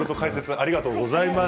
ありがとうございます。